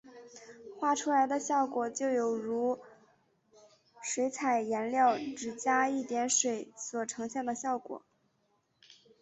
画出来的效果就有如水彩颜料只加一点水所呈现的效果。